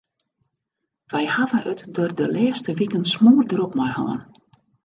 Wy hawwe it der de lêste wiken smoardrok mei hân.